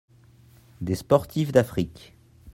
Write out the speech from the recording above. Des sportives d'Afrique.